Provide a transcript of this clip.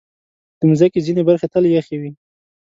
د مځکې ځینې برخې تل یخې وي.